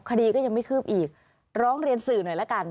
คดีก็ยังไม่คืบอีกร้องเรียนสื่อหน่อยละกัน